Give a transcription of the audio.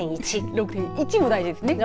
６．１もないですね。